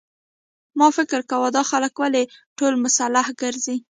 ما فکر کاوه دا خلک ولې ټول مسلح ګرځي.